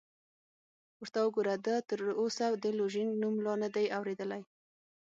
ورته وګوره، ده تراوسه د لوژینګ نوم لا نه دی اورېدلی!